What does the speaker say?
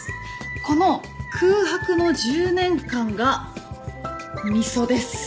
この空白の１０年間がみそです。